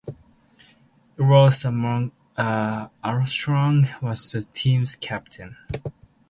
Ellsworth Armstrong was the team captain.